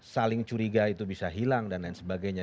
saling curiga itu bisa hilang dan lain sebagainya